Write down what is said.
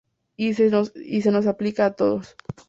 Y se nos aplican a todos.